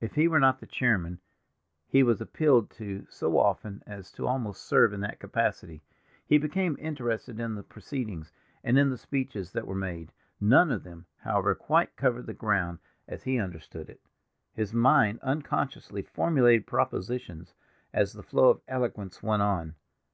If he were not the chairman, he was appealed to so often as to almost serve in that capacity. He became interested in the proceedings, and in the speeches that were made; none of them, however, quite covered the ground as he understood it. His mind unconsciously formulated propositions as the flow of eloquence went on.